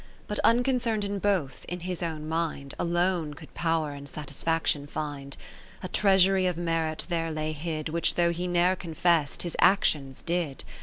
40 But unconcern'd in both, in his own mind Alone could power and satisfaction find. A treasury of merit there lay hid, Which though he ne'er confess'd, his actions did.